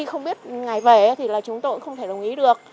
không biết ngày về thì là chúng tôi cũng không thể đồng ý được